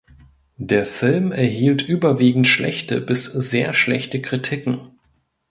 Der Film erhielt überwiegend schlechte bis sehr schlechte Kritiken.